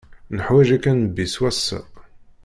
Neḥwaǧ-ik a nnbi s wass-a!